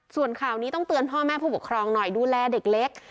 ส่วนข่าวนี้ต้องเตือนพ่อแม่ผู้ปกครองหน่อยดูแลเด็กเล็ก